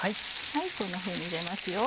こんなふうに入れますよ。